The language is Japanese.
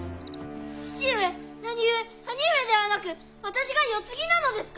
父上なにゆえ兄上ではなく私が世継ぎなのですか？